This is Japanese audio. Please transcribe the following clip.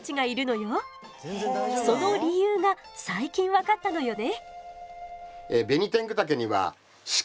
その理由が最近分かったのよね。